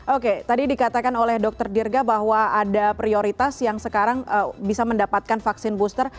oke tadi dikatakan oleh dr dirga bahwa ada prioritas yang sekarang bisa mendapatkan vaksin booster